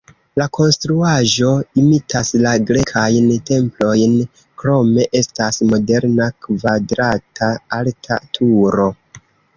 La konstruaĵo imitas la grekajn templojn, krome estas moderna kvadrata alta turo.